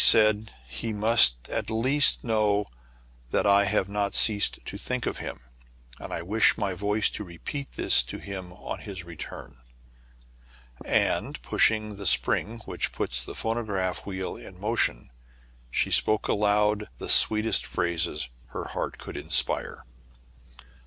said she, " he must at least know that I have not ceased to think of him ; and I wish my voice to repeat this to him on his return." And, pushing the spring which puts the phono graphic wheel in motion, she spoke aloud the sweetest phrases her heart could inspire.